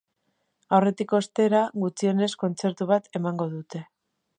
Aurretik, ostera, gutxienez kontzertu bat emango dute.